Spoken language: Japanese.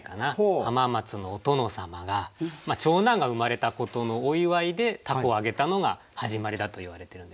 浜松のお殿様が長男が生まれたことのお祝いで凧を揚げたのが始まりだといわれてるんですね。